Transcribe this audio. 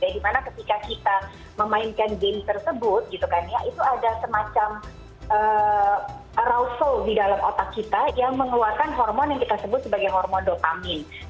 dimana ketika kita memainkan game tersebut gitu kan ya itu ada semacam rawful di dalam otak kita yang mengeluarkan hormon yang kita sebut sebagai hormodotamin